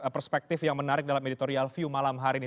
perspektif yang menarik dalam editorial view malam hari ini